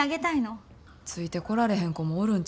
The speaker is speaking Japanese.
ついてこられへん子もおるんちゃうか？